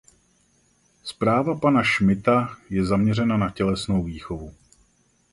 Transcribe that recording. Zpráva pana Schmitta je zaměřena na tělesnou výchovu.